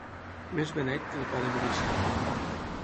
Més beneit que el pa de munició.